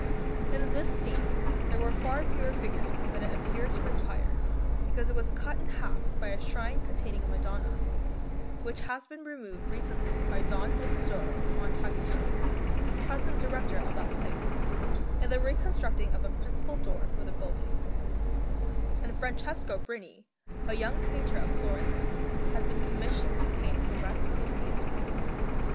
In this scene there were far fewer figures than it appeared to require, because it was cut in half by a shrine containing a Madonna, which has been removed recently by Don Isidoro Montaguto, the present Director of that place, in the reconstructing of a principal door for the building; and Francesco Brini, a young painter of Florence, has been commissioned to paint the rest of the scene.